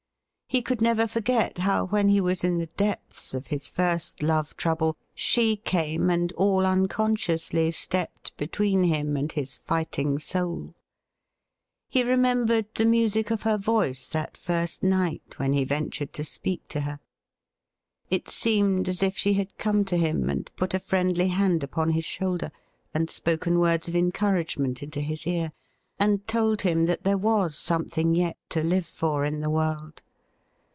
He could never forget how when he was in the depths of his first love trouble she came and all unconsciously stepped between him and his fighting soul. He remembered the music of her voice that first night when he ventured to speak to her. It seemed as if she had come to him and put a friendly hand upon his shoulder, and spoken words of encouragement into his ear, and told him that there weis something yet to live for in the world.